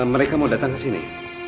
mereka mau datang ke sini